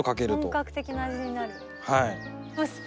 本格的な味になる。